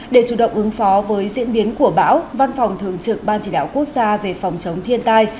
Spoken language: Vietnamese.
để chủ động ứng phó với diễn biến của bão văn phòng thường trực ban chỉ đạo quốc gia về phòng chống thiên tai